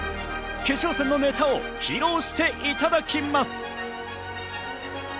決勝戦のネタを披露していただきます。